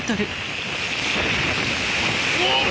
おっ！